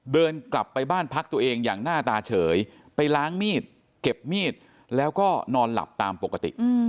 เดินกลับไปบ้านพักตัวเองอย่างหน้าตาเฉยไปล้างมีดเก็บมีดแล้วก็นอนหลับตามปกติ